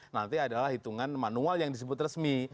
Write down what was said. nanti adalah hitungan manual yang disebut resmi